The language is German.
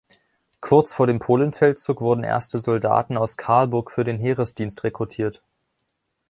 Kurz vor dem Polenfeldzug wurden erste Soldaten aus Karlburg für den Heeresdienst rekrutiert.